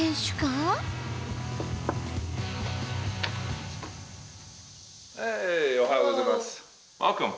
おはようございます。